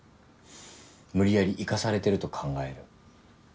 無理やり行かされてると考える。